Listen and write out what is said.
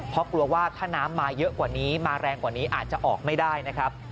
เพราะกลัวว่าถ้าน้ำมาเยอะกว่านี้มาแรงกว่านี้อาจจะออกไม่ได้นะครับ